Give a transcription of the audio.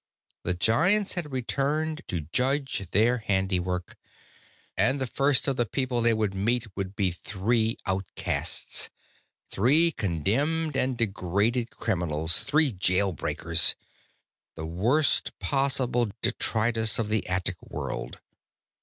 The Giants had returned to judge their handiwork. And the first of the people they would meet would be three outcasts, three condemned and degraded criminals, three jail breakers the worst possible detritus of the attic world.